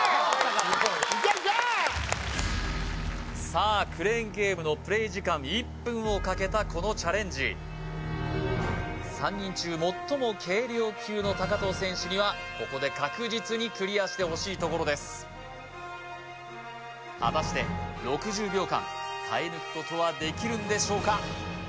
さあクレーンゲームのプレイ時間１分をかけたこのチャレンジ３人中最も軽量級の藤選手にはここで確実にクリアしてほしいところです果たして６０秒間耐え抜くことはできるんでしょうか？